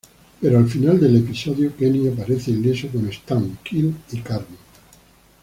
Pero al Final del episodio Kenny aparece ileso con Stan, Kyle y Cartman.